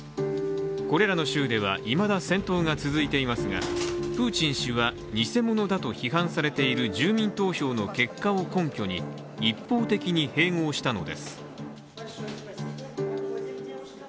これらの州ではいまだ戦闘が続いていますがプーチン氏は、偽物だと批判されている住民投票の結果を根拠に一方的に併合したのです。